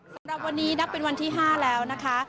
สำหรับวันนี้นับเป็นวันที่๕แล้วนะคะ